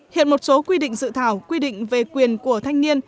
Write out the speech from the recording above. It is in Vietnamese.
hiện một số quy định dự thảo quy định về quyền của thanh niên